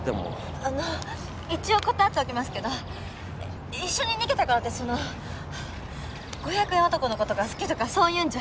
あの一応断っておきますけど一緒に逃げたからってその５００円男のことが好きとかそういうんじゃ。